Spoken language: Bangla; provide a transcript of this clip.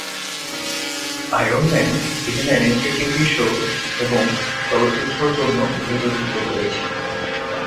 আয়রন ম্যান বিভিন্ন অ্যানিমেটেড টিভি শো এবং চলচ্চিত্র জন্য অভিযোজিত হয়েছে।